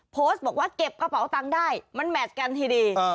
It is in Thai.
โพสต์บอกว่าเก็บกระเป๋าตังค์ได้มันแมทกันทีดี